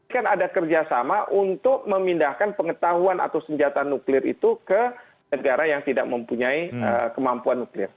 kan ada kerjasama untuk memindahkan pengetahuan atau senjata nuklir itu ke negara yang tidak mempunyai kemampuan nuklir